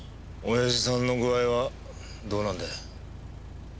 親父さんの具合はどうなんだよ？